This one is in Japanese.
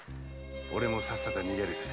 俺もさっさと逃げるさ。